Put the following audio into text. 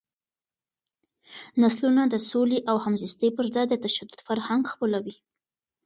نسلونه د سولې او همزیستۍ پر ځای د تشدد فرهنګ خپلوي.